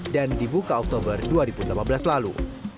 dan dibuka oktober dua ribu delapan belas lalu